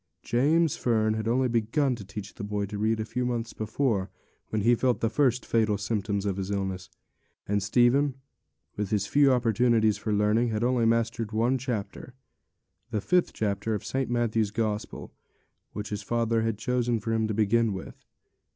James Fern had only begun to teach the boy to read a few months before, when he felt the first fatal symptoms of his illness; and Stephen, with his few opportunities for learning, had only mastered one chapter, the fifth chapter of St. Matthew's Gospel, which his father had chosen for him to begin with.